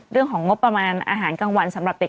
เรื่องของงบประมาณอาหารกลางวันสำหรับเด็ก